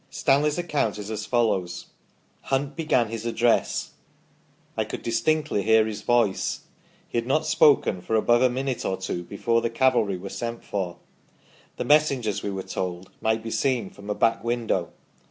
Stanley's account is as follows : "Hunt began his address. I could distinctly hear his voice. He had not spoken above a minute or two before the cavalry were sent for the messengers, we were told, might be seen from a back window.